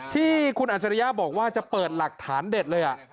ที่คุณอัจฉริยะบอกว่าจะเปิดหลักฐานเด็ดเลย